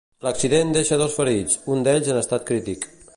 L'accident deixa dos ferits, un d'ells en estat crític.